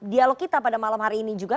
dialog kita pada malam hari ini juga